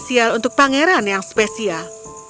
spesial untuk pangeran yang spesial